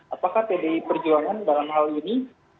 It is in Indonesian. apakah pdi perjuangan dalam hal ini